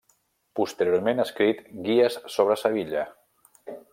Posteriorment ha escrit guies sobre Sevilla.